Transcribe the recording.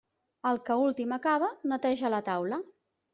El que últim acaba, neteja la taula.